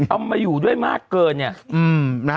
เอามาอยู่ด้วยมากเกิน